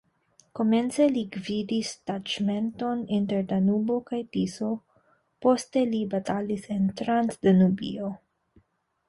Komence li gvidis taĉmenton inter Danubo kaj Tiso, poste li batalis en Transdanubio.